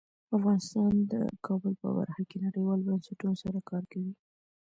افغانستان د کابل په برخه کې نړیوالو بنسټونو سره کار کوي.